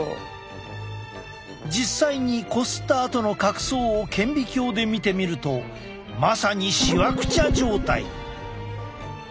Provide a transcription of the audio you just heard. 実際にこすったあとの角層を顕微鏡で見てみるとまさにしわくちゃ状態。